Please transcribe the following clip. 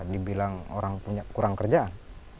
dibilang orang punya kurang kerjaan